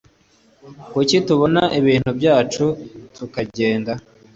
Kuki tutabona ibintu byacu tukagenda?